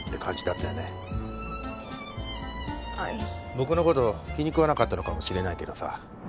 僕のこと気に食わなかったのかもしれないけどさ